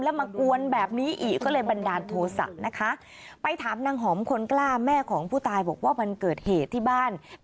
แล้วมากวนแบบนี้อีกก็เลยบันดาลโทษะนะคะ